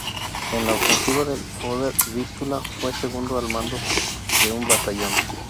En la ofensiva del Oder-Vístula fue segundo al mando de un batallón.